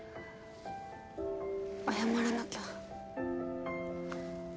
謝らなきゃ。